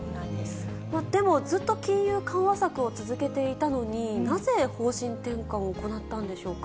でもずっと金融緩和策を続けていたのに、なぜ方針転換を行ったんでしょうか。